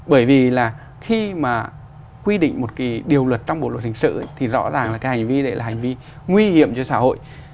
bởi vì là khi mà quy định một cái điều luật trong bộ luật hình sự thì rõ ràng là cái hành vi đấy là hành vi nguy hiểm cho xã hội